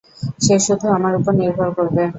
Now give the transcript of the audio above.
সে শুধু আমার উপর নির্ভর করবে!